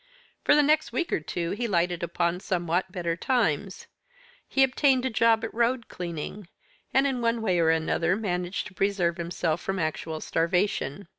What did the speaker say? For the next week or two he lighted upon somewhat better times. He obtained a job at road cleaning, and in one way or another managed to preserve himself from actual starvation.